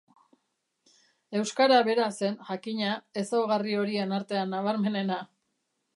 Euskara bera zen, jakina, ezaugarri horien artean nabarmenena.